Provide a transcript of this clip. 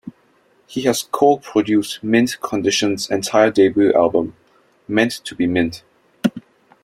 He has also co-produced Mint Condition's entire debut album "Meant to Be Mint".